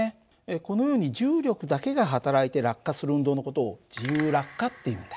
このように重力だけが働いて落下する運動の事を自由落下っていうんだ。